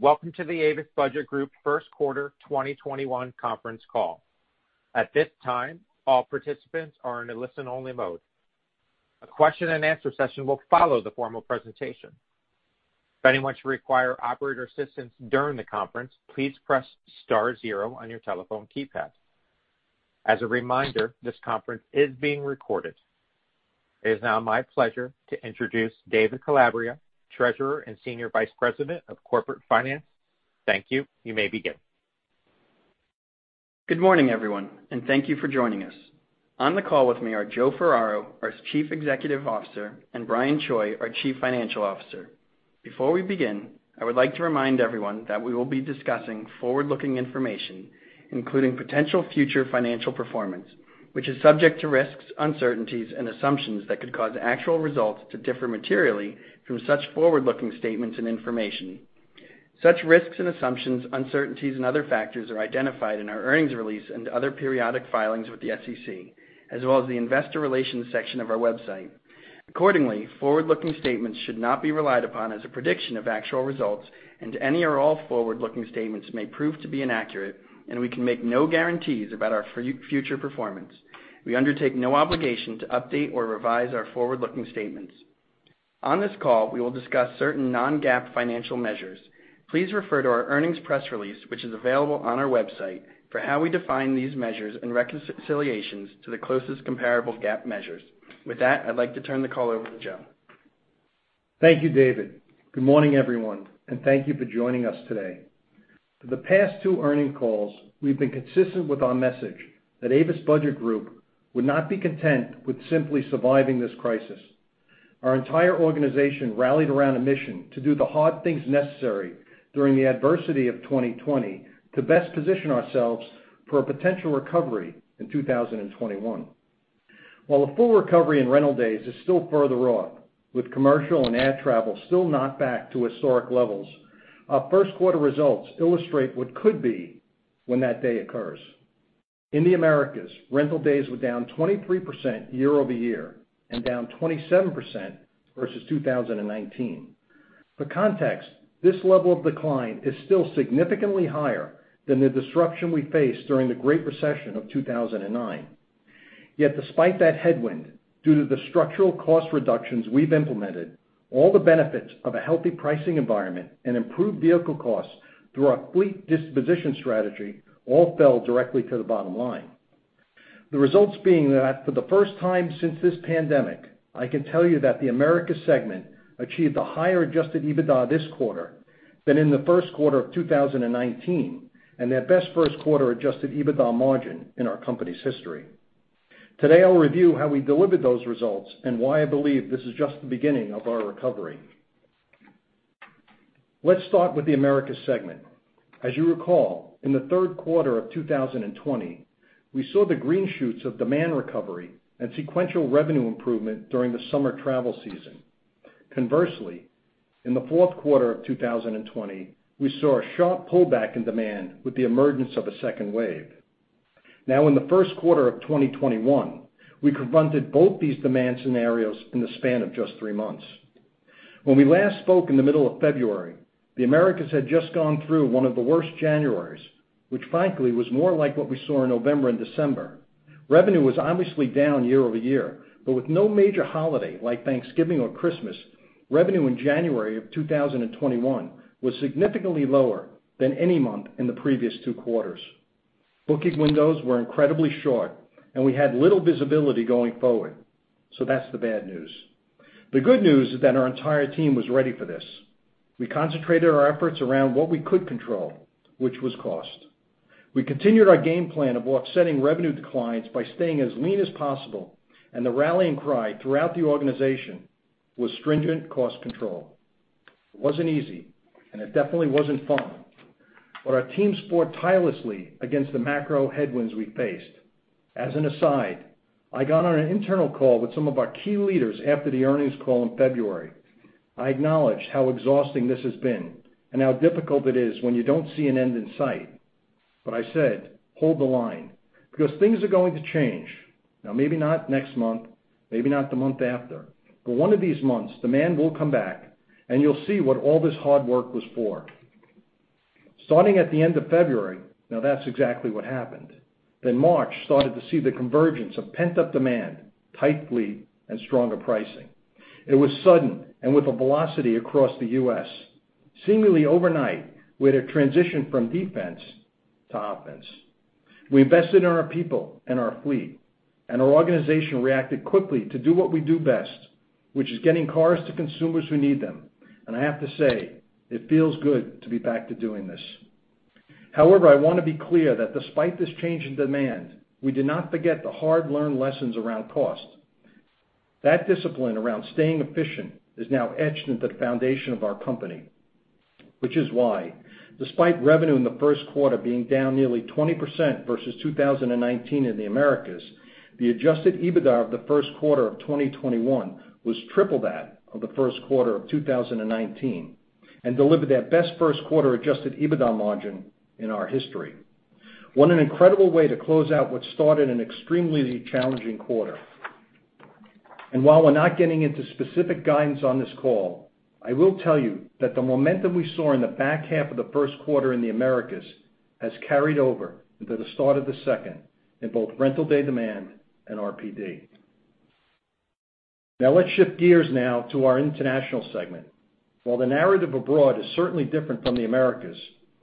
Welcome to the Avis Budget Group First Quarter 2021 Conference Call. At this time, all participants are in a listen-only mode. A question and answer session will follow the formal presentation. If anyone should require operator assistance during the conference, please press star zero on your telephone keypad. As a reminder, this conference is being recorded. It is now my pleasure to introduce David Calabria, Treasurer and Senior Vice President of Corporate Finance. Thank you. You may begin. Good morning, everyone, and thank you for joining us. On the call with me are Joe Ferraro, our Chief Executive Officer, and Brian Choi, our Chief Financial Officer. Before we begin, I would like to remind everyone that we will be discussing forward-looking information, including potential future financial performance, which is subject to risks, uncertainties, and assumptions that could cause actual results to differ materially from such forward-looking statements and information. Such risks and assumptions, uncertainties, and other factors are identified in our earnings release and other periodic filings with the SEC, as well as the investor relations section of our website. Accordingly, forward-looking statements should not be relied upon as a prediction of actual results, and any or all forward-looking statements may prove to be inaccurate, and we can make no guarantees about our future performance. We undertake no obligation to update or revise our forward-looking statements. On this call, we will discuss certain non-GAAP financial measures. Please refer to our earnings press release, which is available on our website for how we define these measures and reconciliations to the closest comparable GAAP measures. With that, I'd like to turn the call over to Joe. Thank you, David. Good morning, everyone, and thank you for joining us today. For the past two earning calls, we've been consistent with our message that Avis Budget Group would not be content with simply surviving this crisis. Our entire organization rallied around a mission to do the hard things necessary during the adversity of 2020 to best position ourselves for a potential recovery in 2021. While a full recovery in rental days is still further off, with commercial and air travel still not back to historic levels, our first quarter results illustrate what could be when that day occurs. In the Americas, rental days were down 23% year-over-year and down 27% versus 2019. For context, this level of decline is still significantly higher than the disruption we faced during the Great Recession of 2009. Despite that headwind, due to the structural cost reductions we've implemented, all the benefits of a healthy pricing environment and improved vehicle costs through our fleet disposition strategy all fell directly to the bottom line. The results being that for the first time since this pandemic, I can tell you that the Americas segment achieved a higher adjusted EBITDA this quarter than in the first quarter of 2019, and their best first quarter adjusted EBITDA margin in our company's history. Today, I'll review how we delivered those results and why I believe this is just the beginning of our recovery. Let's start with the Americas segment. As you recall, in the third quarter of 2020, we saw the green shoots of demand recovery and sequential revenue improvement during the summer travel season. Conversely, in the fourth quarter of 2020, we saw a sharp pullback in demand with the emergence of a second wave. In the first quarter of 2021, we confronted both these demand scenarios in the span of just three months. When we last spoke in the middle of February, the Americas had just gone through one of the worst Januarys, which frankly was more like what we saw in November and December. Revenue was obviously down year-over-year, with no major holiday like Thanksgiving or Christmas, revenue in January of 2021 was significantly lower than any month in the previous two quarters. Booking windows were incredibly short, we had little visibility going forward. That's the bad news. The good news is that our entire team was ready for this. We concentrated our efforts around what we could control, which was cost. We continued our game plan of offsetting revenue declines by staying as lean as possible, and the rallying cry throughout the organization was stringent cost control. It wasn't easy, and it definitely wasn't fun. Our teams fought tirelessly against the macro headwinds we faced. As an aside, I got on an internal call with some of our key leaders after the earnings call in February. I acknowledged how exhausting this has been and how difficult it is when you don't see an end in sight. I said, "Hold the line, because things are going to change. Maybe not next month, maybe not the month after, but one of these months, demand will come back, and you'll see what all this hard work was for." Starting at the end of February, now that's exactly what happened. March started to see the convergence of pent-up demand, tight fleet, and stronger pricing. It was sudden and with a velocity across the U.S. Seemingly overnight, we had a transition from defense to offense. We invested in our people and our fleet, and our organization reacted quickly to do what we do best, which is getting cars to consumers who need them. I have to say, it feels good to be back to doing this. However, I want to be clear that despite this change in demand, we did not forget the hard-learned lessons around cost. That discipline around staying efficient is now etched into the foundation of our company, which is why, despite revenue in the first quarter being down nearly 20% versus 2019 in the Americas, the adjusted EBITDA of the first quarter of 2021 was triple that of the first quarter of 2019 and delivered their best first quarter adjusted EBITDA margin in our history. What an incredible way to close out what started an extremely challenging quarter. While we're not getting into specific guidance on this call, I will tell you that the momentum we saw in the back half of the first quarter in the Americas has carried over into the start of the second, in both rental day demand and RPD. Let's shift gears now to our international segment. While the narrative abroad is certainly different from the Americas,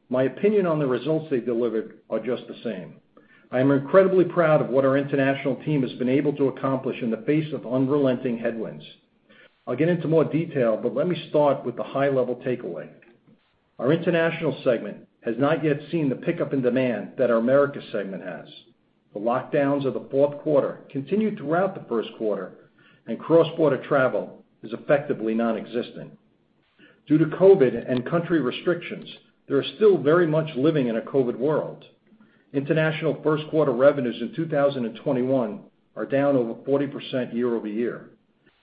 my opinion on the results they delivered are just the same. I am incredibly proud of what our international team has been able to accomplish in the face of unrelenting headwinds. I'll get into more detail, but let me start with the high-level takeaway. Our international segment has not yet seen the pickup in demand that our Americas segment has. The lockdowns of the fourth quarter continued throughout the first quarter, and cross-border travel is effectively non-existent. Due to COVID and country restrictions, they are still very much living in a COVID world. International first-quarter revenues in 2021 are down over 40% year-over-year.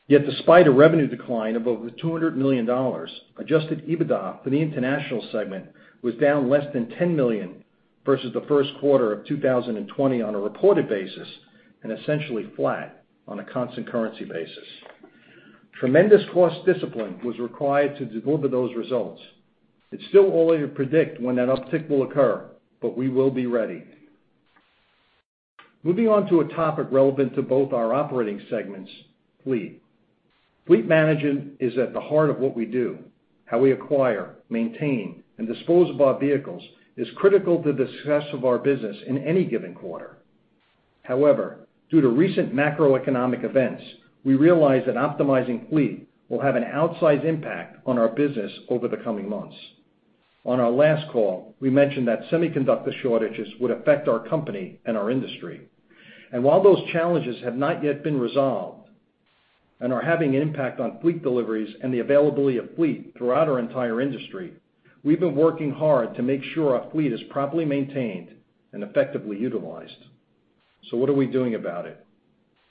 Despite a revenue decline of over $200 million, adjusted EBITDA for the international segment was down less than $10 million versus the first quarter of 2020 on a reported basis, and essentially flat on a constant currency basis. Tremendous cost discipline was required to deliver those results. It's still early to predict when that uptick will occur, we will be ready. Moving on to a topic relevant to both our operating segments, fleet. Fleet management is at the heart of what we do. How we acquire, maintain, and dispose of our vehicles is critical to the success of our business in any given quarter. Due to recent macroeconomic events, we realize that optimizing fleet will have an outsized impact on our business over the coming months. On our last call, we mentioned that semiconductor shortages would affect our company and our industry. While those challenges have not yet been resolved, and are having an impact on fleet deliveries and the availability of fleet throughout our entire industry, we've been working hard to make sure our fleet is properly maintained and effectively utilized. What are we doing about it?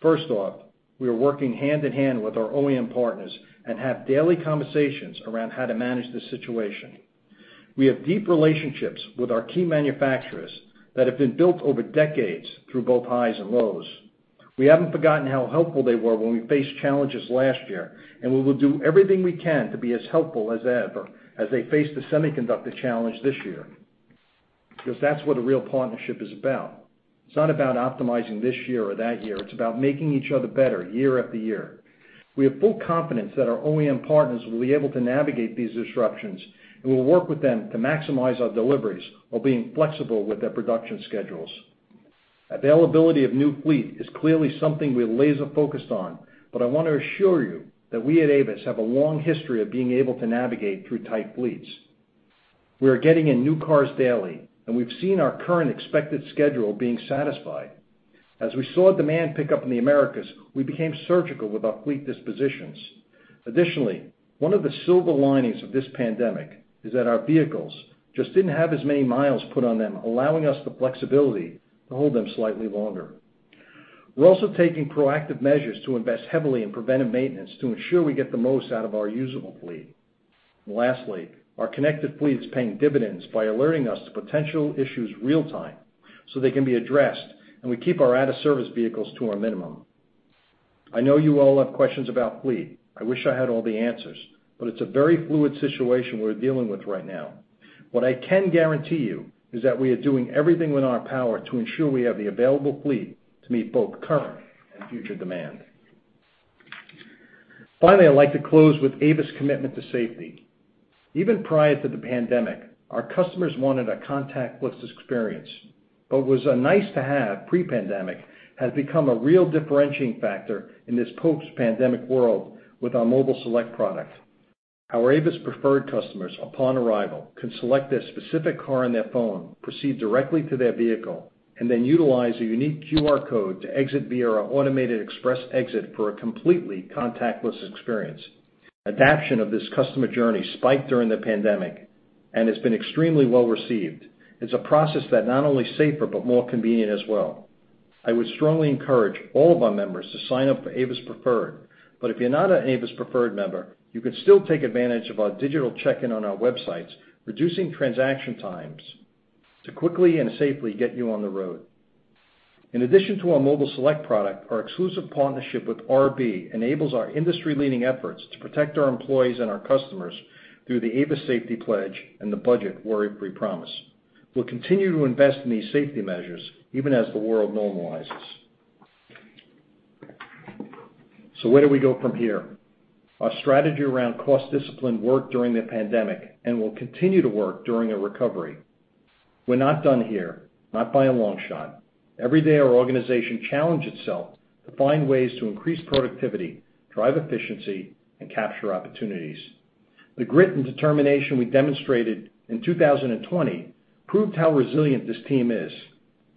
First off, we are working hand-in-hand with our OEM partners and have daily conversations around how to manage this situation. We have deep relationships with our key manufacturers that have been built over decades through both highs and lows. We haven't forgotten how helpful they were when we faced challenges last year, and we will do everything we can to be as helpful as ever as they face the semiconductor challenge this year. That's what a real partnership is about. It's not about optimizing this year or that year. It's about making each other better year after year. We have full confidence that our OEM partners will be able to navigate these disruptions. We'll work with them to maximize our deliveries while being flexible with their production schedules. Availability of new fleet is clearly something we're laser-focused on. I want to assure you that we at Avis have a long history of being able to navigate through tight fleets. We are getting in new cars daily. We've seen our current expected schedule being satisfied. As we saw demand pick up in the Americas, we became surgical with our fleet dispositions. Additionally, one of the silver linings of this pandemic is that our vehicles just didn't have as many miles put on them, allowing us the flexibility to hold them slightly longer. We're also taking proactive measures to invest heavily in preventive maintenance to ensure we get the most out of our usable fleet. Lastly, our connected fleet is paying dividends by alerting us to potential issues real-time so they can be addressed, and we keep our out-of-service vehicles to a minimum. I know you all have questions about fleet. It's a very fluid situation we're dealing with right now. What I can guarantee you is that we are doing everything in our power to ensure we have the available fleet to meet both current and future demand. I'd like to close with Avis' commitment to safety. Even prior to the pandemic, our customers wanted a contactless experience. What was a nice-to-have pre-pandemic has become a real differentiating factor in this post-pandemic world with our Mobile Select product. Our Avis Preferred customers, upon arrival, can select their specific car on their phone, proceed directly to their vehicle, and then utilize a unique QR code to exit via our automated express exit for a completely contactless experience. Adaption of this customer journey spiked during the pandemic and has been extremely well-received. It's a process that not only is safer, but more convenient as well. I would strongly encourage all of our members to sign up for Avis Preferred. If you're not an Avis Preferred member, you can still take advantage of our digital check-in on our websites, reducing transaction times to quickly and safely get you on the road. In addition to our Mobile Select product, our exclusive partnership with RB enables our industry-leading efforts to protect our employees and our customers through the Avis Safety Pledge and the Budget Worry-Free Promise. We'll continue to invest in these safety measures even as the world normalizes. Where do we go from here? Our strategy around cost discipline worked during the pandemic and will continue to work during a recovery. We're not done here, not by a long shot. Every day, our organization challenges itself to find ways to increase productivity, drive efficiency, and capture opportunities. The grit and determination we demonstrated in 2020 proved how resilient this team is.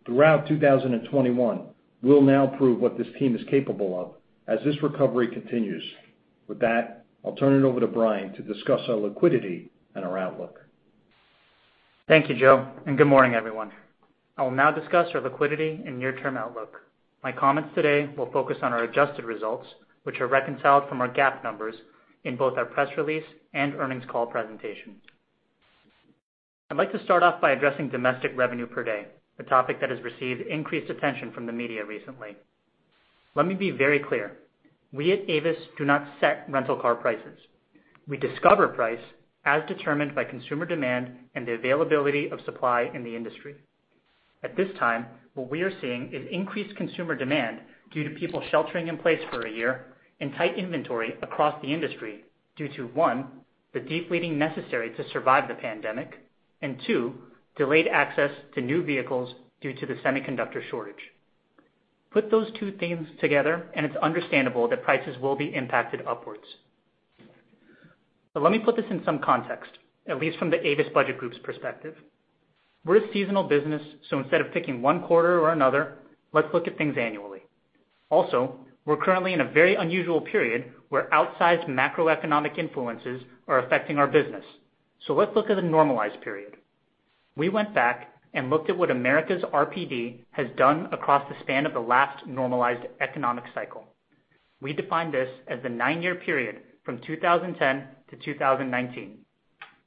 Throughout 2021, we'll now prove what this team is capable of as this recovery continues. With that, I'll turn it over to Brian to discuss our liquidity and our outlook. Thank you, Joe, and good morning, everyone. I will now discuss our liquidity and near-term outlook. My comments today will focus on our adjusted results, which are reconciled from our GAAP numbers in both our press release and earnings call presentations. I'd like to start off by addressing domestic revenue per day, a topic that has received increased attention from the media recently. Let me be very clear. We at Avis do not set rental car prices. We discover price as determined by consumer demand and the availability of supply in the industry. At this time, what we are seeing is increased consumer demand due to people sheltering in place for a year, and tight inventory across the industry due to, one, the de-fleeting necessary to survive the pandemic, and two, delayed access to new vehicles due to the semiconductor shortage. Put those two things together, and it's understandable that prices will be impacted upwards. Let me put this in some context, at least from the Avis Budget Group's perspective. We're a seasonal business, so instead of picking one quarter or another, let's look at things annually. Also, we're currently in a very unusual period where outsized macroeconomic influences are affecting our business. Let's look at a normalized period. We went back and looked at what Americas RPD has done across the span of the last normalized economic cycle. We define this as the nine-year period from 2010 to 2019,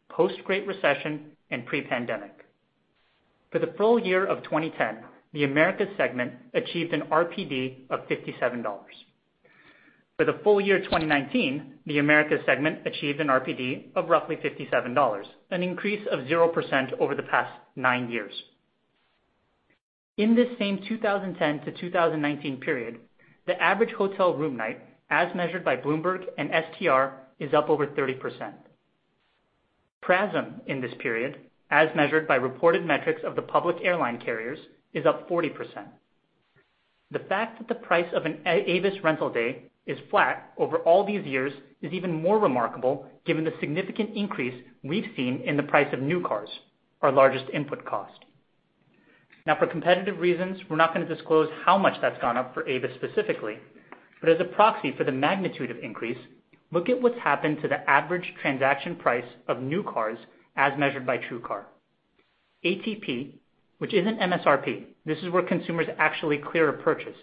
post-Great Recession and pre-pandemic. For the full year of 2010, the Americas segment achieved an RPD of $57. For the full year 2019, the Americas segment achieved an RPD of roughly $57, an increase of 0% over the past nine years. In this same 2010-2019 period, the average hotel room night, as measured by Bloomberg and STR, is up over 30%. PRASM in this period, as measured by reported metrics of the public airline carriers, is up 40%. The fact that the price of an Avis rental day is flat over all these years is even more remarkable given the significant increase we've seen in the price of new cars, our largest input cost. Now, for competitive reasons, we're not going to disclose how much that's gone up for Avis specifically, but as a proxy for the magnitude of increase, look at what's happened to the average transaction price of new cars as measured by TrueCar. ATP, which isn't MSRP, this is where consumers actually clear a purchase,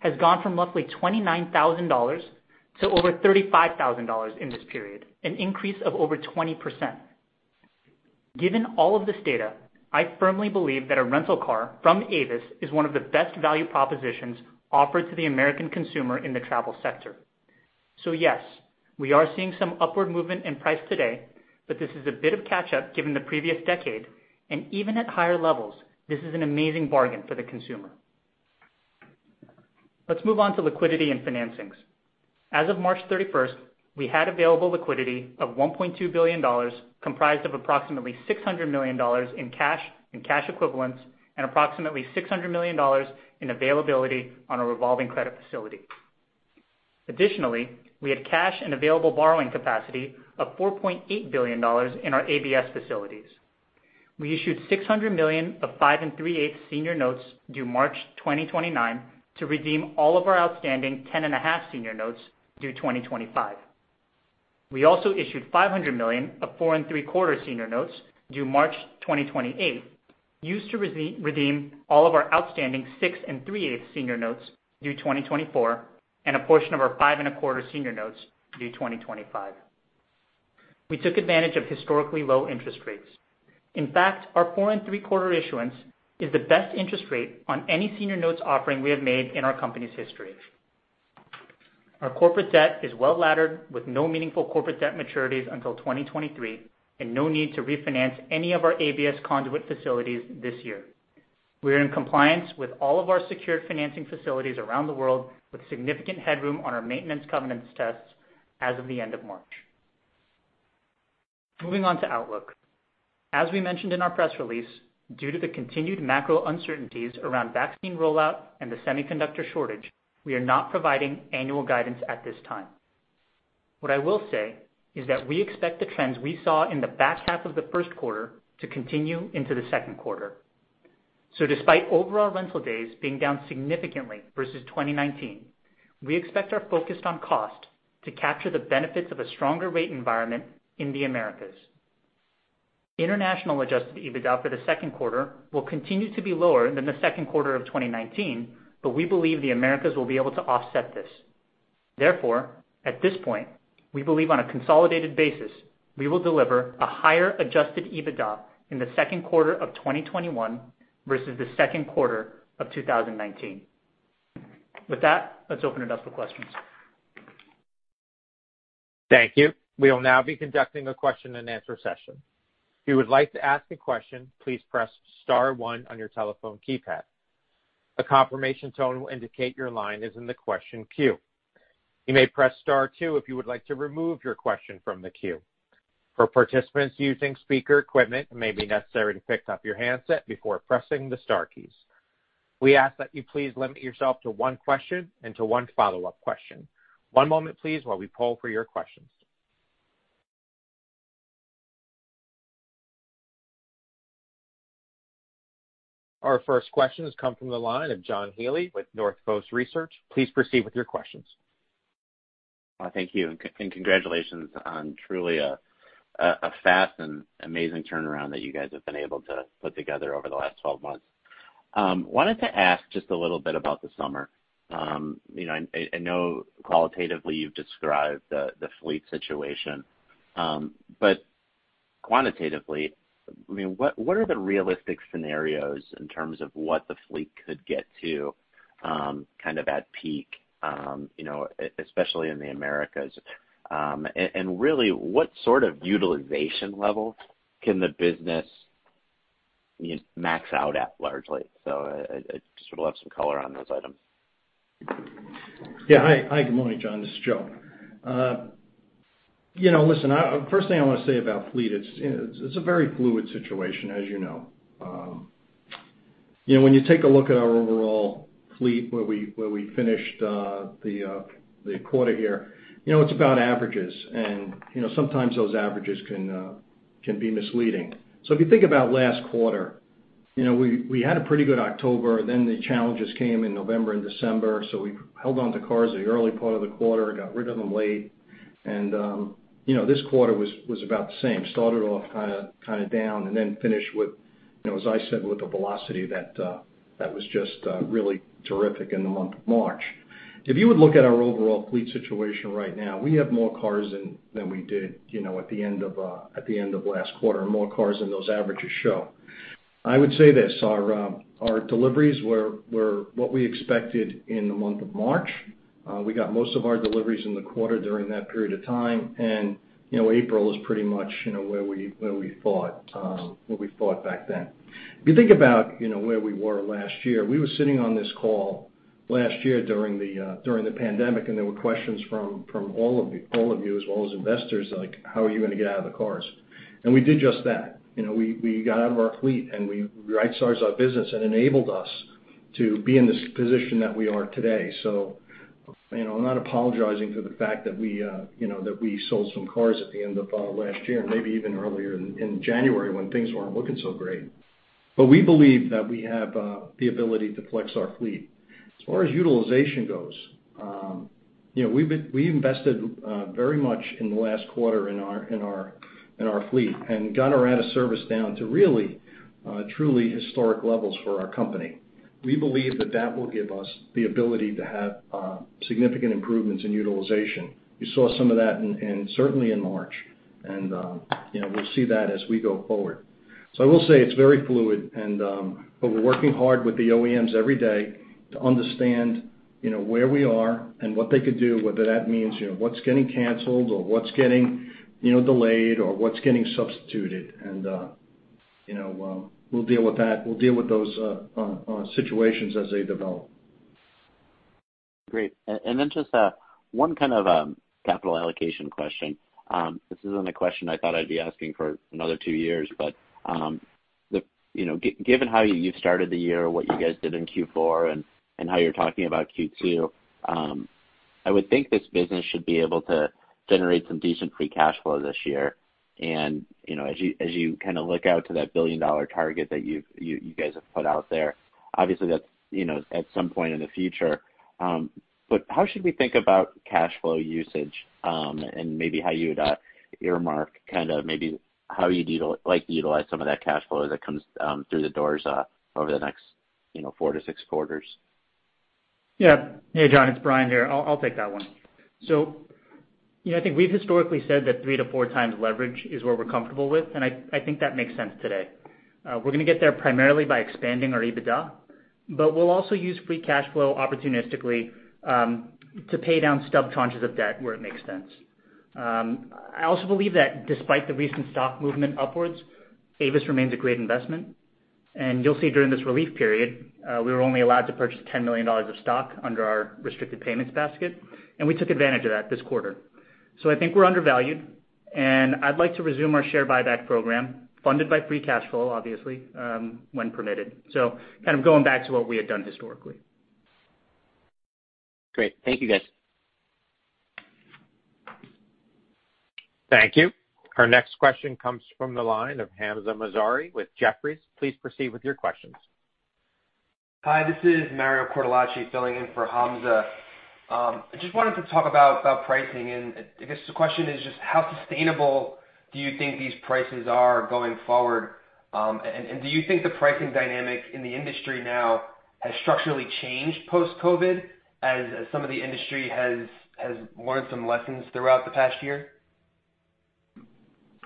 has gone from roughly $29,000 to over $35,000 in this period, an increase of over 20%. Given all of this data, I firmly believe that a rental car from Avis is one of the best value propositions offered to the American consumer in the travel sector. Yes, we are seeing some upward movement in price today, but this is a bit of catch up given the previous decade, and even at higher levels, this is an amazing bargain for the consumer. Let's move on to liquidity and financings. As of March 31st, we had available liquidity of $1.2 billion, comprised of approximately $600 million in cash and cash equivalents and approximately $600 million in availability on a revolving credit facility. Additionally, we had cash and available borrowing capacity of $4.8 billion in our ABS facilities. We issued $600 million of 5 3/8 senior notes due March 2029 to redeem all of our outstanding 10 1/2 senior notes due 2025. We also issued $500 million of 4 3/4 senior notes due March 2028, used to redeem all of our outstanding 6 3/8 senior notes due 2024 and a portion of our 5 1/4 senior notes due 2025. We took advantage of historically low interest rates. In fact, our 4 3/4 issuance is the best interest rate on any senior notes offering we have made in our company's history. Our corporate debt is well-laddered with no meaningful corporate debt maturities until 2023 and no need to refinance any of our ABS conduit facilities this year. We are in compliance with all of our secured financing facilities around the world, with significant headroom on our maintenance covenants tests as of the end of March. Moving on to outlook. As we mentioned in our press release, due to the continued macro uncertainties around vaccine rollout and the semiconductor shortage, we are not providing annual guidance at this time. What I will say is that we expect the trends we saw in the back half of the first quarter to continue into the second quarter. Despite overall rental days being down significantly versus 2019, we expect our focus on cost to capture the benefits of a stronger rate environment in the Americas. International adjusted EBITDA for the second quarter will continue to be lower than the second quarter of 2019, but we believe the Americas will be able to offset this. Therefore, at this point, we believe on a consolidated basis, we will deliver a higher adjusted EBITDA in the second quarter of 2021 versus the second quarter of 2019. With that, let's open it up for questions. Our first question has come from the line of John Healy with Northcoast Research. Please proceed with your questions. Thank you, congratulations on truly a fast and amazing turnaround that you guys have been able to put together over the last 12 months. Wanted to ask just a little bit about the summer. I know qualitatively you've described the fleet situation. Quantitatively, what are the realistic scenarios in terms of what the fleet could get to at peak, especially in the Americas? Really what sort of utilization level can the business max out at largely? I'd sort of love some color on those items. Hi, good morning, John. This is Joe. First thing I want to say about fleet, it's a very fluid situation, as you know. You take a look at our overall fleet where we finished the quarter here, it's about averages. Sometimes those averages can be misleading. If you think about last quarter, we had a pretty good October, then the challenges came in November and December, so we held onto cars the early part of the quarter, got rid of them late. This quarter was about the same. Started off down and then finished with, as I said, with a velocity that was just really terrific in the month of March. If you would look at our overall fleet situation right now, we have more cars than we did at the end of last quarter, and more cars than those averages show. I would say this, our deliveries were what we expected in the month of March. We got most of our deliveries in the quarter during that period of time. April is pretty much where we thought back then. If you think about where we were last year, we were sitting on this call last year during the pandemic, and there were questions from all of you, as well as investors, like, "How are you going to get out of the cars?" We did just that. We got out of our fleet, and we right-sized our business and enabled us to be in this position that we are today. I'm not apologizing for the fact that we sold some cars at the end of last year, maybe even earlier in January when things weren't looking so great. We believe that we have the ability to flex our fleet. As far as utilization goes, we invested very much in the last quarter in our fleet and got our out of service down to really, truly historic levels for our company. We believe that that will give us the ability to have significant improvements in utilization. You saw some of that certainly in March, and we'll see that as we go forward. I will say it's very fluid, but we're working hard with the OEMs every day to understand where we are and what they could do, whether that means what's getting canceled or what's getting delayed or what's getting substituted. We'll deal with those situations as they develop. Great. Just one kind of capital allocation question. This isn't a question I thought I'd be asking for another two years, given how you started the year, what you guys did in Q4, and how you're talking about Q2, I would think this business should be able to generate some decent free cash flow this year. As you kind of look out to that billion-dollar target that you guys have put out there, obviously that's at some point in the future. How should we think about cash flow usage? Maybe how you would earmark maybe how you'd like to utilize some of that cash flow that comes through the doors over the next four to six quarters. Yeah. Hey, John, it's Brian here. I'll take that one. I think we've historically said that 3 to 4 times leverage is where we're comfortable with, and I think that makes sense today. We're going to get there primarily by expanding our EBITDA, but we'll also use free cash flow opportunistically to pay down stub tranches of debt where it makes sense. I also believe that despite the recent stock movement upwards, Avis remains a great investment. You'll see during this relief period, we were only allowed to purchase $10 million of stock under our restricted payments basket, and we took advantage of that this quarter. I think we're undervalued, and I'd like to resume our share buyback program funded by free cash flow, obviously, when permitted. Kind of going back to what we had done historically. Great. Thank you, guys. Thank you. Our next question comes from the line of Hamzah Mazari with Jefferies. Please proceed with your questions. Hi, this is Mario Cortellacci filling in for Hamzah. I just wanted to talk about pricing, and I guess the question is just how sustainable do you think these prices are going forward? Do you think the pricing dynamic in the industry now has structurally changed post-COVID, as some of the industry has learned some lessons throughout the past year?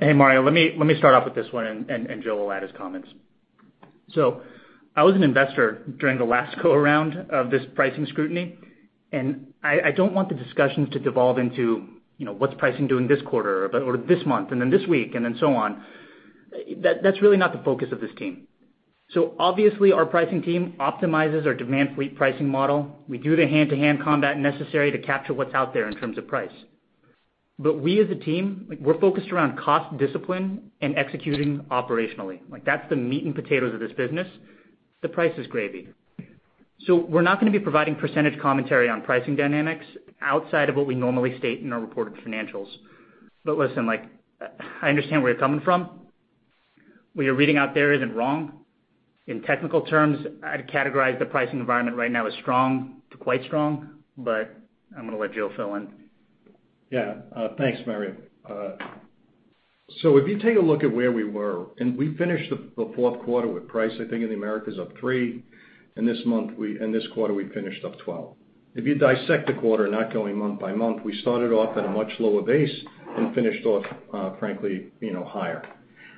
Hey, Mario. Let me start off with this one, and Joe will add his comments. I was an investor during the last go-around of this pricing scrutiny. I don't want the discussions to devolve into what's pricing doing this quarter, or this month, and then this week, and then so on. That's really not the focus of this team. Obviously our pricing team optimizes our demand fleet pricing model. We do the hand-to-hand combat necessary to capture what's out there in terms of price. We as a team, we're focused around cost discipline and executing operationally. That's the meat and potatoes of this business. The price is gravy. We're not going to be providing percentage commentary on pricing dynamics outside of what we normally state in our reported financials. Listen, I understand where you're coming from. What you're reading out there isn't wrong. In technical terms, I'd categorize the pricing environment right now as strong to quite strong, but I'm going to let Joe fill in. Yeah. Thanks, Mario. If you take a look at where we were, we finished the fourth quarter with price, I think in the Americas up three, this quarter we finished up 12. If you dissect the quarter, not going month by month, we started off at a much lower base and finished off, frankly, higher.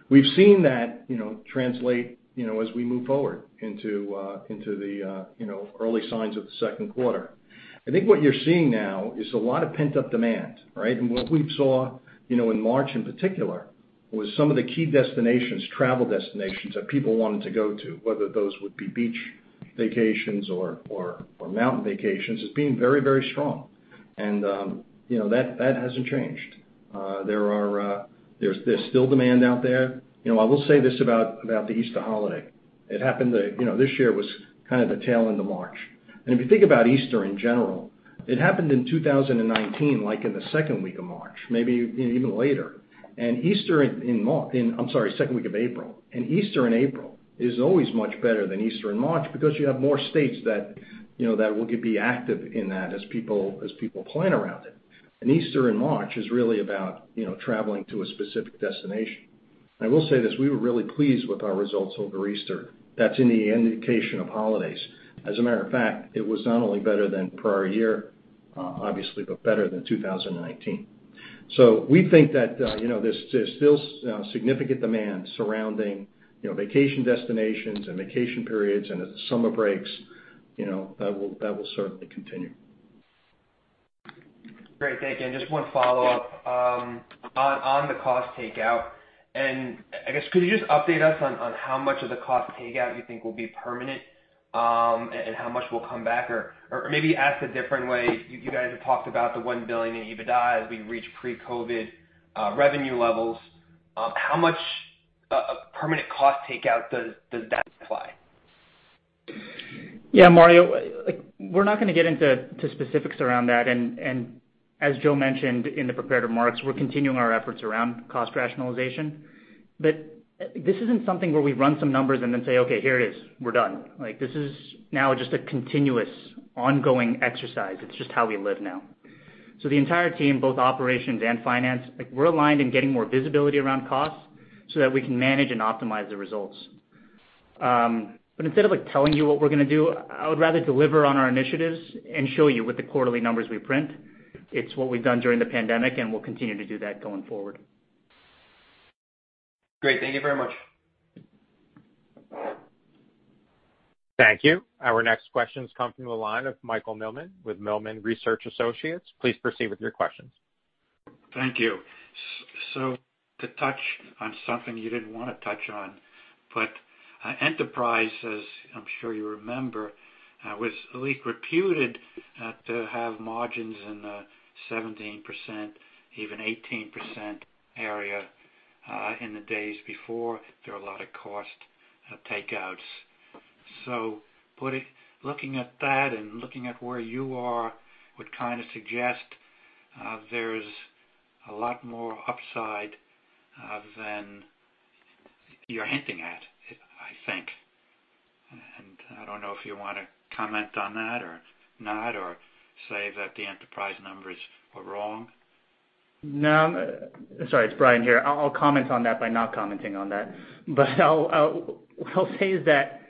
We've seen that translate as we move forward into the early signs of the second quarter. I think what you're seeing now is a lot of pent-up demand, right? What we saw in March in particular, was some of the key travel destinations that people wanted to go to, whether those would be beach vacations or mountain vacations, as being very, very strong. That hasn't changed. There's still demand out there. I will say this about the Easter holiday. This year was kind of the tail end of March. If you think about Easter in general, it happened in 2019, like in the second week of March, maybe even later. I'm sorry, second week of April. Easter in April is always much better than Easter in March because you have more states that will be active in that as people plan around it. Easter in March is really about traveling to a specific destination. I will say this, we were really pleased with our results over Easter. That's in the indication of holidays. As a matter of fact, it was not only better than prior year, obviously, but better than 2019. We think that there's still significant demand surrounding vacation destinations and vacation periods and the summer breaks, that will certainly continue. Great. Thank you. Just one follow-up. On the cost takeout, I guess could you just update us on how much of the cost takeout you think will be permanent, and how much will come back? Maybe asked a different way, you guys have talked about the $1 billion in EBITDA as we reach pre-COVID revenue levels. How much permanent cost takeout does that imply? Mario, we're not going to get into specifics around that. As Joe mentioned in the prepared remarks, we're continuing our efforts around cost rationalization. This isn't something where we run some numbers and then say, "Okay, here it is. We're done." This is now just a continuous ongoing exercise. It's just how we live now. The entire team, both operations and finance, we're aligned in getting more visibility around costs so that we can manage and optimize the results. Instead of telling you what we're going to do, I would rather deliver on our initiatives and show you with the quarterly numbers we print. It's what we've done during the pandemic, and we'll continue to do that going forward. Great. Thank you very much. Thank you. Our next questions come from the line of Michael Millman with Millman Research Associates. Please proceed with your questions. Thank you. To touch on something you didn't want to touch on, but Enterprise, as I'm sure you remember, was at least reputed to have margins in the 17%, even 18% area, in the days before. There were a lot of cost takeouts. Looking at that and looking at where you are would kind of suggest there's a lot more upside than you're hinting at, I think. I don't know if you want to comment on that or not, or say that the Enterprise numbers were wrong. No. Sorry, it's Brian here. I'll comment on that by not commenting on that. What I'll say is that,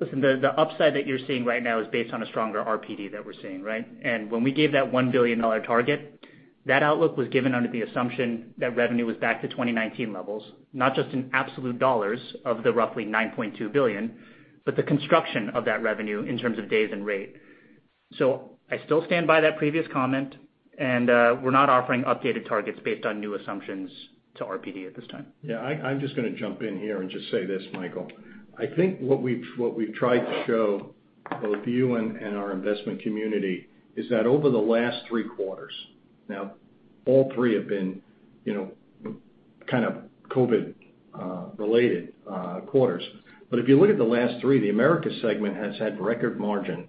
listen, the upside that you're seeing right now is based on a stronger RPD that we're seeing, right? When we gave that $1 billion target, that outlook was given under the assumption that revenue was back to 2019 levels, not just in absolute dollars of the roughly $9.2 billion, but the construction of that revenue in terms of days and rate. I still stand by that previous comment, and we're not offering updated targets based on new assumptions to RPD at this time. Yeah, I'm just going to jump in here and just say this, Michael. I think what we've tried to show both you and our investment community is that over the last three quarters, now all three have been kind of COVID-related quarters. If you look at the last three, the America segment has had record margin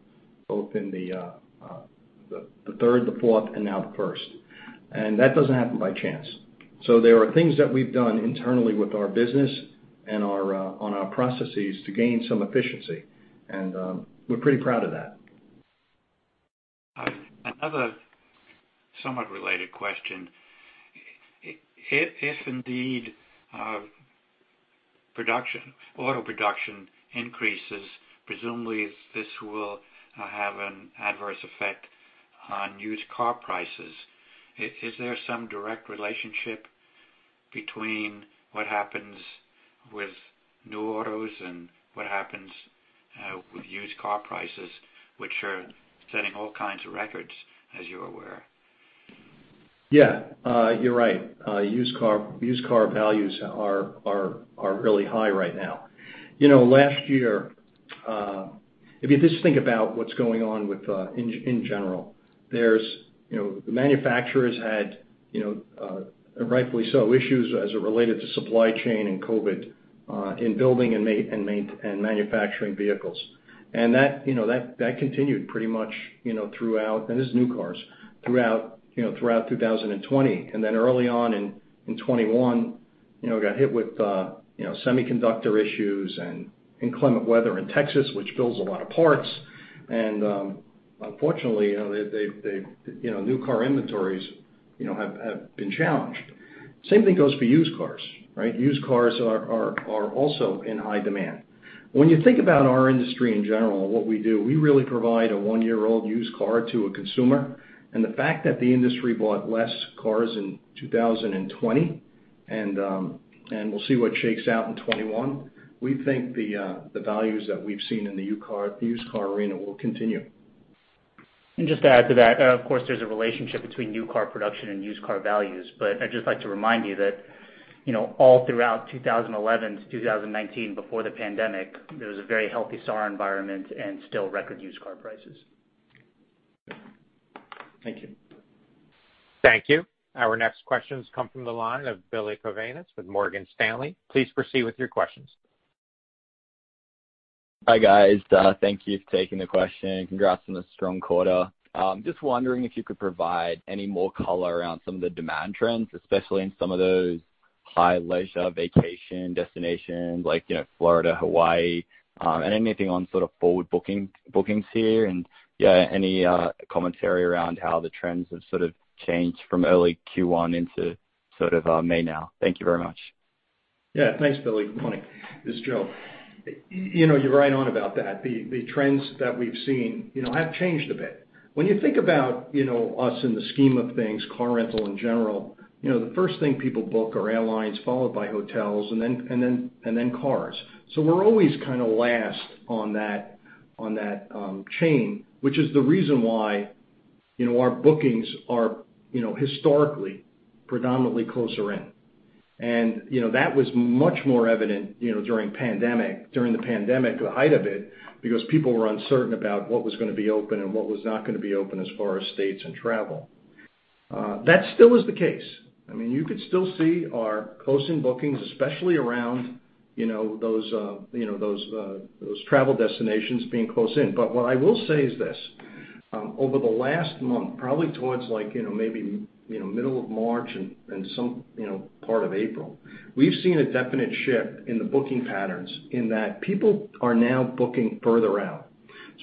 both in the third, the fourth, and now the first. That doesn't happen by chance. There are things that we've done internally with our business and on our processes to gain some efficiency, and we're pretty proud of that. Another somewhat related question. If indeed auto production increases, presumably this will have an adverse effect on used car prices. Is there some direct relationship between what happens with new autos and what happens with used car prices, which are setting all kinds of records, as you're aware? Yeah, you're right. Used car values are really high right now. Last year, if you just think about what's going on in general, the manufacturers had, and rightfully so, issues as it related to supply chain and COVID, in building and manufacturing vehicles. That continued pretty much throughout, and this is new cars, throughout 2020. Then early on in 2021, got hit with semiconductor issues and inclement weather in Texas, which builds a lot of parts. Unfortunately, new car inventories have been challenged. Same thing goes for used cars, right? Used cars are also in high demand. When you think about our industry in general, what we do, we really provide a one-year-old used car to a consumer, and the fact that the industry bought less cars in 2020, and we'll see what shakes out in 2021. We think the values that we've seen in the used car arena will continue. Just to add to that, of course, there's a relationship between new car production and used car values. I'd just like to remind you that all throughout 2011 to 2019, before the pandemic, there was a very healthy SAAR environment and still record used car prices. Thank you. Thank you. Our next questions come from the line of Billy Kovanis with Morgan Stanley. Please proceed with your questions. Hi, guys. Thank you for taking the question. Congrats on the strong quarter. I'm just wondering if you could provide any more color around some of the demand trends, especially in some of those high leisure vacation destinations like Florida, Hawaii, and anything on sort of forward bookings here, and yeah, any commentary around how the trends have sort of changed from early Q1 into sort of May now. Thank you very much. Yeah. Thanks, Billy. Good morning. This is Joe. You're right on about that. The trends that we've seen have changed a bit. You think about us in the scheme of things, car rental in general, the first thing people book are airlines, followed by hotels and then cars. We're always kind of last on that chain, which is the reason why our bookings are historically predominantly closer in. That was much more evident during the pandemic, the height of it, because people were uncertain about what was going to be open and what was not going to be open as far as states and travel. That still is the case. I mean, you could still see our closing bookings, especially around those travel destinations being close in. What I will say is this. Over the last month, probably towards maybe middle of March and some part of April, we've seen a definite shift in the booking patterns in that people are now booking further out.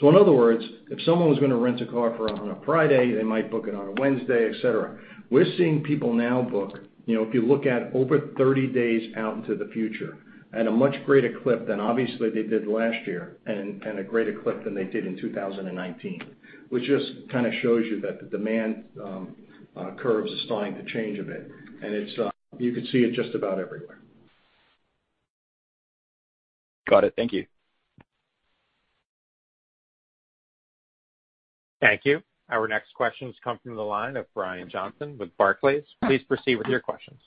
In other words, if someone was going to rent a car on a Friday, they might book it on a Wednesday, et cetera. We're seeing people now book, if you look at over 30 days out into the future, at a much greater clip than obviously they did last year and a greater clip than they did in 2019, which just kind of shows you that the demand curve is starting to change a bit. You could see it just about everywhere. Got it. Thank you. Thank you. Our next questions come from the line of Brian Johnson with Barclays. Please proceed with your questions.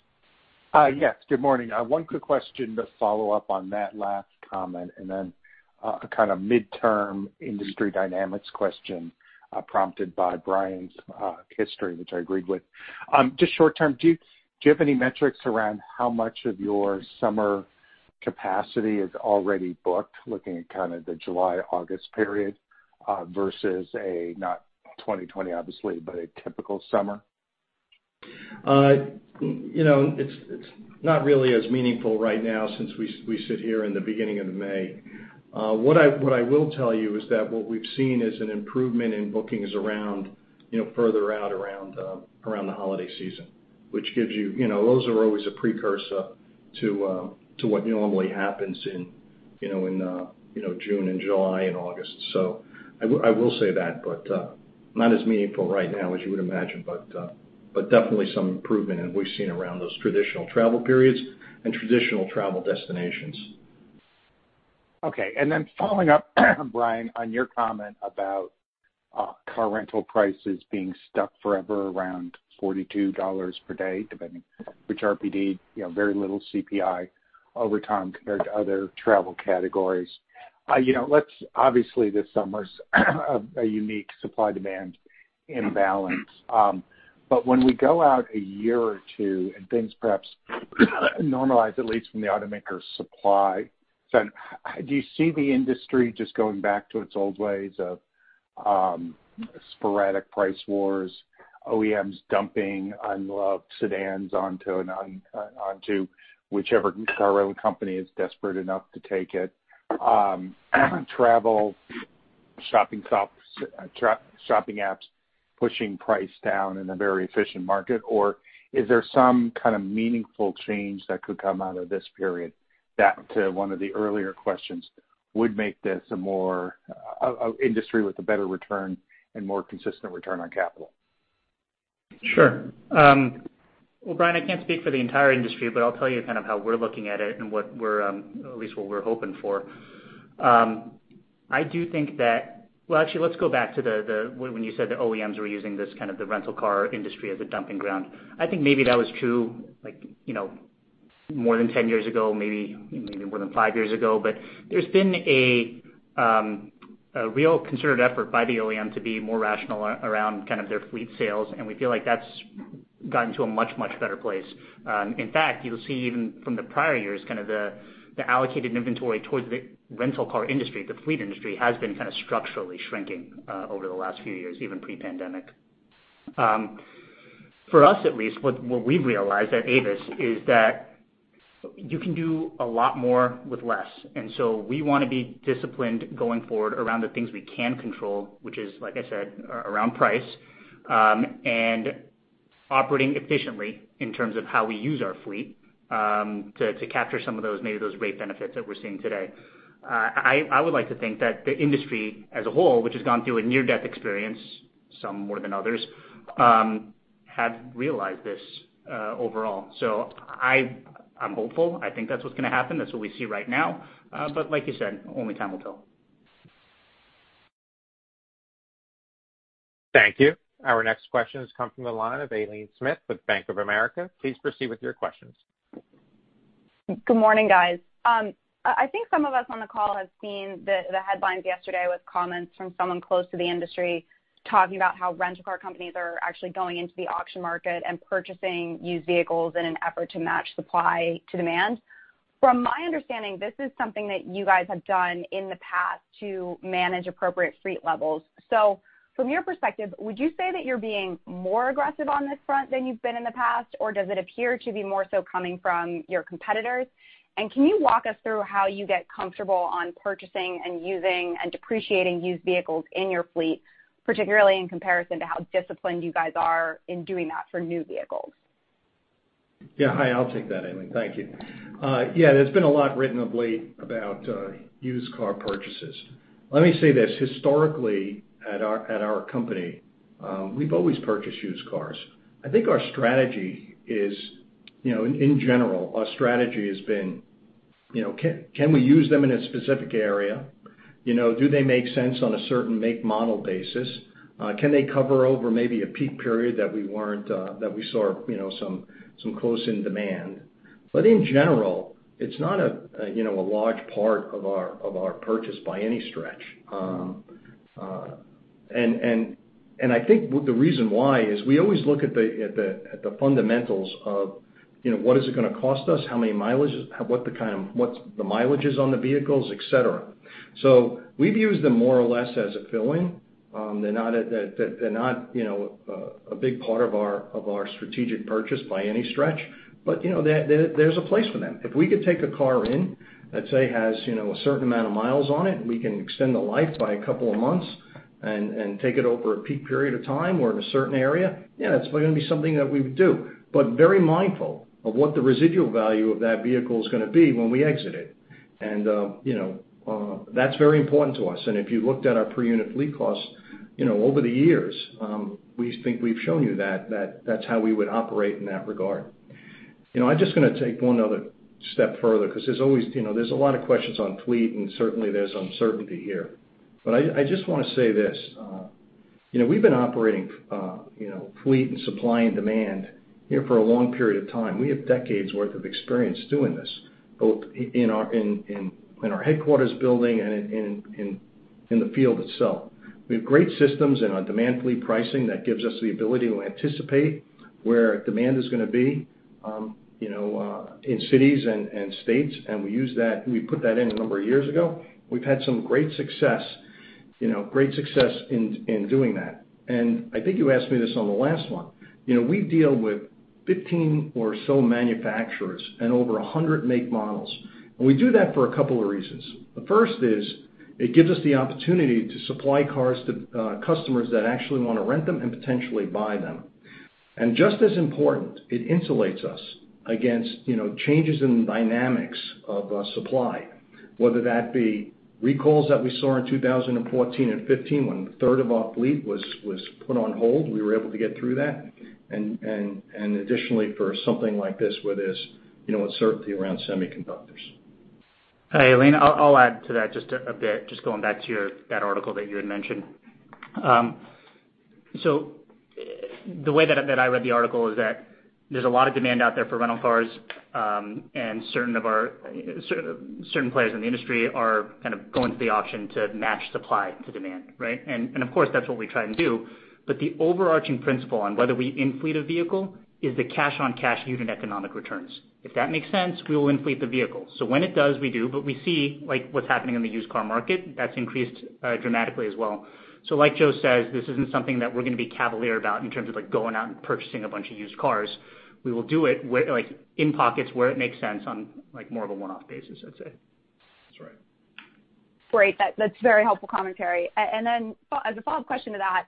Yes. Good morning. One quick question to follow up on that last comment, and then a kind of midterm industry dynamics question prompted by Brian's history, which I agreed with. Just short term, do you have any metrics around how much of your summer capacity is already booked, looking at kind of the July, August period versus a, not 2020 obviously, but a typical summer? It's not really as meaningful right now since we sit here in the beginning of May. What I will tell you is that what we've seen is an improvement in bookings further out around the holiday season. Those are always a precursor to what normally happens in June and July and August. I will say that, but not as meaningful right now as you would imagine, but definitely some improvement, and we've seen around those traditional travel periods and traditional travel destinations. Okay. Following up Brian, on your comment about car rental prices being stuck forever around $42 per day, depending which RPD, very little CPI over time compared to other travel categories. Obviously, this summer's a unique supply-demand imbalance. When we go out a year or two and things perhaps normalize, at least from the automaker supply side, do you see the industry just going back to its old ways of sporadic price wars, OEMs dumping unloved sedans onto whichever car rental company is desperate enough to take it, travel shopping apps pushing price down in a very efficient market? Is there some kind of meaningful change that could come out of this period, back to one of the earlier questions, would make this an industry with a better return and more consistent return on capital? Sure. Well, Brian, I can't speak for the entire industry, but I'll tell you kind of how we're looking at it and at least what we're hoping for. I do think Well, actually, let's go back to when you said the OEMs were using this kind of the rental car industry as a dumping ground. I think maybe that was true more than 10 years ago, maybe more than five years ago. There's been a real concerted effort by the OEM to be more rational around kind of their fleet sales, and we feel like that's gotten to a much, much better place. In fact, you'll see even from the prior years, kind of the allocated inventory towards the rental car industry, the fleet industry has been kind of structurally shrinking over the last few years, even pre-pandemic. For us at least, what we've realized at Avis is that you can do a lot more with less. So we want to be disciplined going forward around the things we can control, which is, like I said, around price, and operating efficiently in terms of how we use our fleet to capture some of those, maybe those rate benefits that we're seeing today. I would like to think that the industry as a whole, which has gone through a near-death experience, some more than others have realized this overall. I'm hopeful. I think that's what's going to happen. That's what we see right now. Like you said, only time will tell. Thank you. Our next question has come from the line of Aileen Smith with Bank of America. Please proceed with your questions. Good morning, guys. I think some of us on the call have seen the headlines yesterday with comments from someone close to the industry talking about how rental car companies are actually going into the auction market and purchasing used vehicles in an effort to match supply to demand. From my understanding, this is something that you guys have done in the past to manage appropriate fleet levels. From your perspective, would you say that you're being more aggressive on this front than you've been in the past, or does it appear to be more so coming from your competitors? Can you walk us through how you get comfortable on purchasing and using and depreciating used vehicles in your fleet, particularly in comparison to how disciplined you guys are in doing that for new vehicles? Yeah. Hi, I'll take that, Aileen. Thank you. Yeah, there's been a lot written of late about used car purchases. Let me say this, historically at our company, we've always purchased used cars. I think our strategy is, in general, our strategy has been, can we use them in a specific area? Do they make sense on a certain make-model basis? Can they cover over maybe a peak period that we saw some close in demand? In general, it's not a large part of our purchase by any stretch. I think the reason why is we always look at the fundamentals of what is it going to cost us, how many mileages, what the mileages on the vehicles, et cetera. We've used them more or less as a fill-in. They're not a big part of our strategic purchase by any stretch, but there's a place for them. If we could take a car in that, say, has a certain amount of miles on it, and we can extend the life by a couple of months and take it over a peak period of time or in a certain area, yeah, that's going to be something that we would do. Very mindful of what the residual value of that vehicle is going to be when we exit it. That's very important to us. If you looked at our per unit fleet cost over the years, we think we've shown you that that's how we would operate in that regard. I'm just going to take one other step further because there's a lot of questions on fleet, and certainly there's uncertainty here. I just want to say this. We've been operating fleet and supply and demand here for a long period of time. We have decades worth of experience doing this, both in our headquarters building and in the field itself. We have great systems in our demand fleet pricing that gives us the ability to anticipate where demand is going to be in cities and states. We put that in a number of years ago. We've had some great success in doing that. I think you asked me this on the last one. We deal with 15 or so manufacturers and over 100 make models. We do that for a couple of reasons. The first is it gives us the opportunity to supply cars to customers that actually want to rent them and potentially buy them. Just as important, it insulates us against changes in the dynamics of supply, whether that be recalls that we saw in 2014 and 2015 when a third of our fleet was put on hold. We were able to get through that. Additionally, for something like this where there's uncertainty around semiconductors. Hi, Aileen. I'll add to that just a bit, just going back to that article that you had mentioned. The way that I read the article is that there's a lot of demand out there for rental cars, and certain players in the industry are kind of going to the auction to match supply to demand. Right? Of course, that's what we try and do. The overarching principle on whether we in-fleet a vehicle is the cash on cash unit economic returns. If that makes sense, we will in-fleet the vehicle. When it does, we do, but we see what's happening in the used car market, that's increased dramatically as well. Like Joe says, this isn't something that we're going to be cavalier about in terms of going out and purchasing a bunch of used cars. We will do it in pockets where it makes sense on more of a one-off basis, I'd say. That's right. Great. That's very helpful commentary. As a follow-up question to that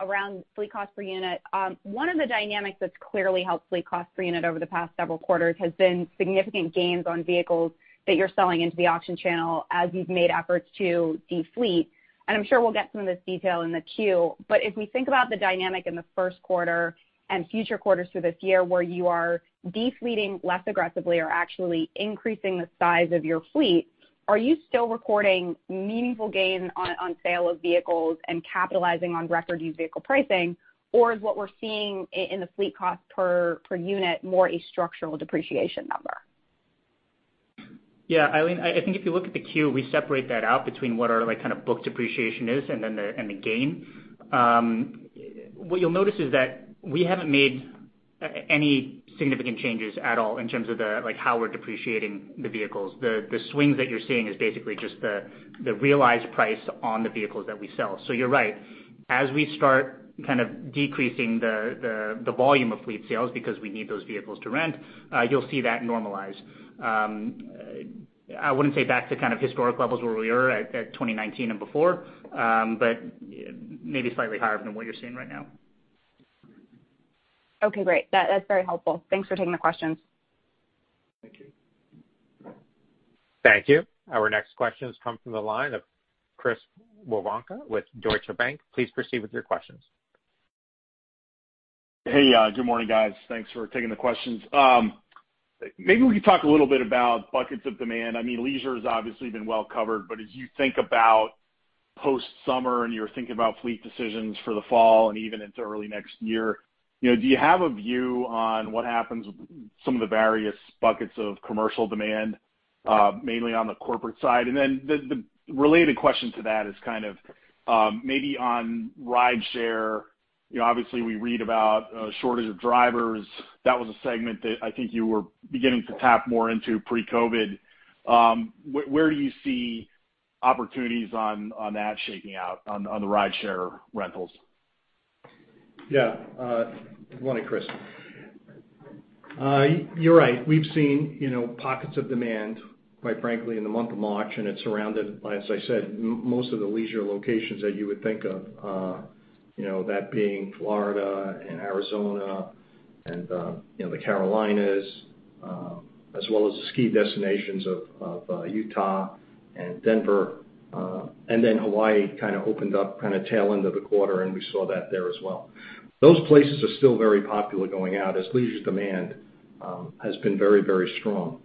around fleet cost per unit. One of the dynamics that's clearly helped fleet cost per unit over the past several quarters has been significant gains on vehicles that you're selling into the auction channel as you've made efforts to de-fleet. I'm sure we'll get some of this detail in the Q, but if we think about the dynamic in the first quarter and future quarters through this year where you are de-fleeting less aggressively or actually increasing the size of your fleet, are you still recording meaningful gains on sale of vehicles and capitalizing on record used vehicle pricing? Or is what we're seeing in the fleet cost per unit more a structural depreciation number? Yeah, Aileen, I think if you look at the Q, we separate that out between what our kind of book depreciation is and the gain. What you'll notice is that we haven't made any significant changes at all in terms of how we're depreciating the vehicles. The swings that you're seeing is basically just the realized price on the vehicles that we sell. You're right. As we start kind of decreasing the volume of fleet sales because we need those vehicles to rent, you'll see that normalize. I wouldn't say back to kind of historic levels where we were at 2019 and before, but maybe slightly higher than what you're seeing right now. Okay, great. That's very helpful. Thanks for taking the questions. Thank you. Thank you. Our next question comes from the line of Chris Woronka with Deutsche Bank. Please proceed with your questions. Hey, good morning, guys. Thanks for taking the questions. Maybe we can talk a little bit about buckets of demand. Leisure has obviously been well covered, but as you think about post-summer and you're thinking about fleet decisions for the fall and even into early next year, do you have a view on what happens with some of the various buckets of commercial demand, mainly on the corporate side? The related question to that is kind of, maybe on rideshare, obviously we read about a shortage of drivers. That was a segment that I think you were beginning to tap more into pre-COVID. Where do you see opportunities on that shaking out on the rideshare rentals? Yeah. Good morning, Chris. You're right. We've seen pockets of demand, quite frankly, in the month of March. It surrounded, as I said, most of the leisure locations that you would think of, that being Florida and Arizona and the Carolinas, as well as the ski destinations of Utah and Denver. Hawaii kind of opened up kind of tail end of the quarter. We saw that there as well. Those places are still very popular going out as leisure demand has been very strong.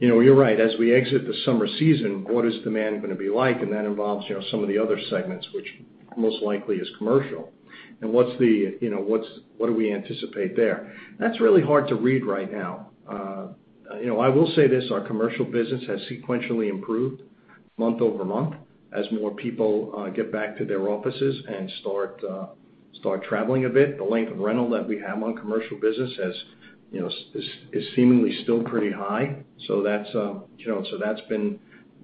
You're right. As we exit the summer season, what is demand going to be like? That involves some of the other segments, which most likely is commercial. What do we anticipate there? That's really hard to read right now. I will say this, our commercial business has sequentially improved month-over-month as more people get back to their offices and start traveling a bit. The length of rental that we have on commercial business is seemingly still pretty high. That's been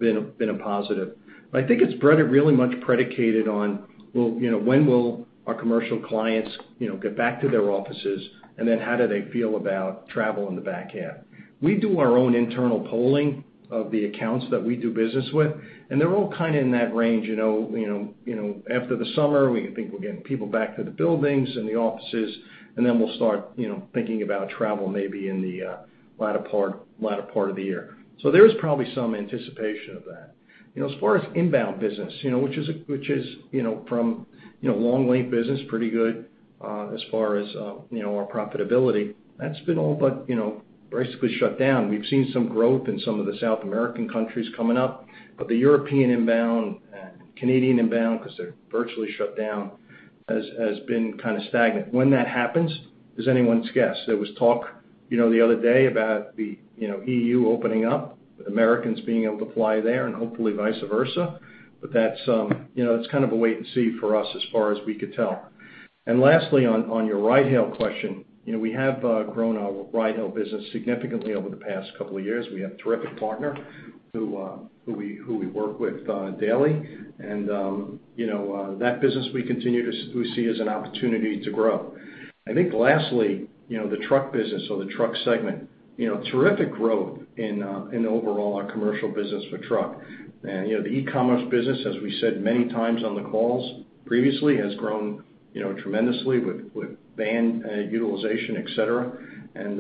a positive. I think it's really much predicated on, well, when will our commercial clients get back to their offices, and then how do they feel about travel in the back half? We do our own internal polling of the accounts that we do business with, and they're all kind of in that range. After the summer, we think we're getting people back to the buildings and the offices, and then we'll start thinking about travel maybe in the latter part of the year. There is probably some anticipation of that. As far as inbound business, which is from long-length business, pretty good as far as our profitability. That's been all but basically shut down. We've seen some growth in some of the South American countries coming up, but the European inbound and Canadian inbound, because they're virtually shut down, has been kind of stagnant. When that happens is anyone's guess. There was talk the other day about the EU opening up, Americans being able to fly there and hopefully vice versa, but that's kind of a wait and see for us as far as we could tell. Lastly, on your ride-hail question, we have grown our ride-hail business significantly over the past couple of years. We have a terrific partner who we work with daily, and that business we continue to see as an opportunity to grow. I think lastly, the truck business or the truck segment, terrific growth in overall our commercial business for truck. The e-commerce business, as we said many times on the calls previously, has grown tremendously with van utilization, et cetera, and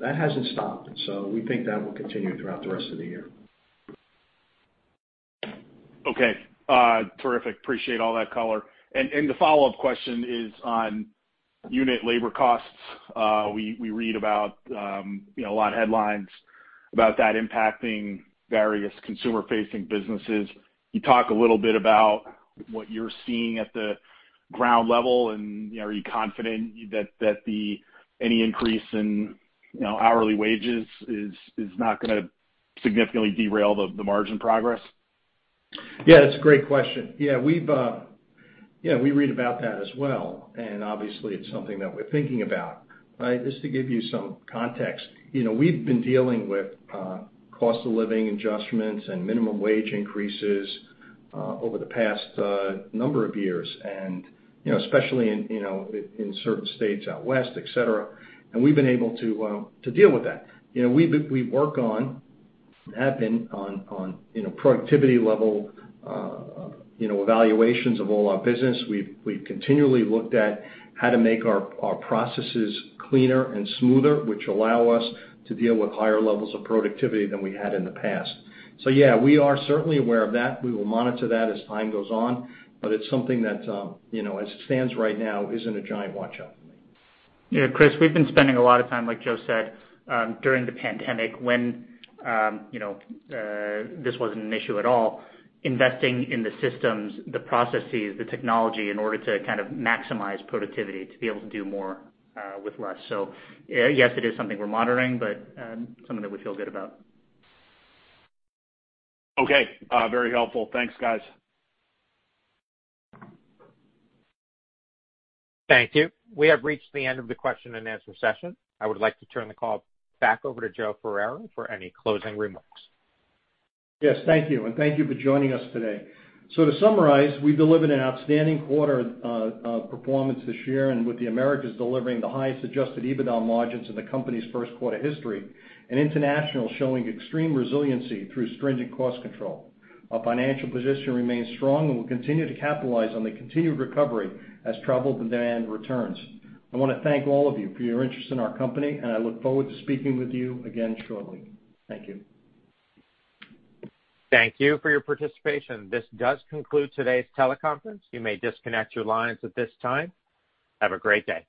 that hasn't stopped. We think that will continue throughout the rest of the year. Okay. Terrific. Appreciate all that color. The follow-up question is on unit labor costs. We read about a lot of headlines about that impacting various consumer-facing businesses. Can you talk a little bit about what you're seeing at the ground level, and are you confident that any increase in hourly wages is not going to significantly derail the margin progress? Yeah, that's a great question. Yeah, we read about that as well, obviously it's something that we're thinking about, right? Just to give you some context, we've been dealing with cost of living adjustments and minimum wage increases over the past number of years, and especially in certain states out west, et cetera, and we've been able to deal with that. We have been on productivity level evaluations of all our business. We've continually looked at how to make our processes cleaner and smoother, which allow us to deal with higher levels of productivity than we had in the past. Yeah, we are certainly aware of that. We will monitor that as time goes on, but it's something that, as it stands right now, isn't a giant watch-out for me. Yeah, Chris, we've been spending a lot of time, like Joe said, during the pandemic when this wasn't an issue at all, investing in the systems, the processes, the technology in order to kind of maximize productivity to be able to do more with less. Yes, it is something we're monitoring, but something that we feel good about. Okay. Very helpful. Thanks, guys. Thank you. We have reached the end of the question and answer session. I would like to turn the call back over to Joe Ferraro for any closing remarks. Yes. Thank you. Thank you for joining us today. To summarize, we delivered an outstanding quarter of performance this year, and with the Americas delivering the highest adjusted EBITDA margins in the company's first quarter history, and international showing extreme resiliency through stringent cost control. Our financial position remains strong, and we'll continue to capitalize on the continued recovery as travel demand returns. I want to thank all of you for your interest in our company, and I look forward to speaking with you again shortly. Thank you. Thank you for your participation. This does conclude today's teleconference. You may disconnect your lines at this time. Have a great day.